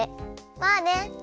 まあね！